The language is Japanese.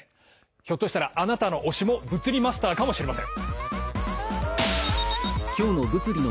ひょっとしたらあなたの推しも物理マスターかもしれません。